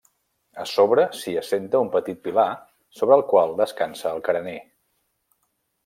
A sobre s'hi assenta un petit pilar sobre el qual descansa el carener.